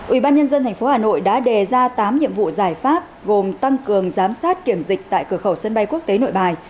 ubnd tp hà nội đã đề ra tám nhiệm vụ giải pháp gồm tăng cường giám sát kiểm dịch tại cửa khẩu sân bay quốc tế nội bài